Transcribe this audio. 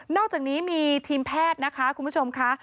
อกจากนี้มีทีมแพทย์นะคะคุณผู้ชมค่ะ